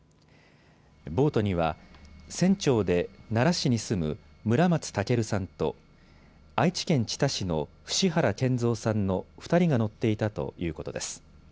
ボートには船長で奈良市に住む村松孟さんと愛知県知多市の伏原賢三さんの２人が乗っていたということです。